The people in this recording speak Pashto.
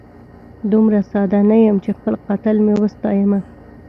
دومره ساده نه یم چي خپل قاتل مي وستایمه